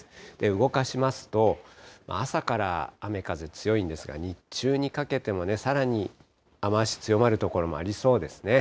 動かしますと、朝から雨風強いんですが、日中にかけてもね、さらに雨足強まる所もありそうですね。